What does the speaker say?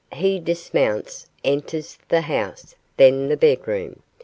He dismounts, enters the house, then the bedroom.